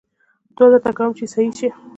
دعا درته کووم چې عيسائي شې